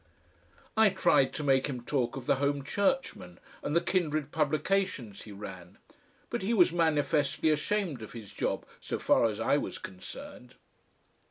I tried to make him talk of the HOME CHURCHMAN and the kindred publications he ran, but he was manifestly ashamed of his job so far as I was concerned.